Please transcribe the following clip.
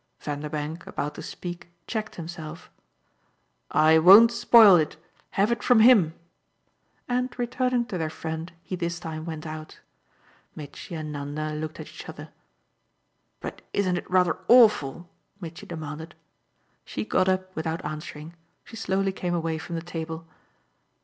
Vanderbank, about to speak, checked himself. "I won't spoil it. Have it from HIM!" and, returning to their friend, he this time went out. Mitchy and Nanda looked at each other. "But isn't it rather awful?" Mitchy demanded. She got up without answering; she slowly came away from the table.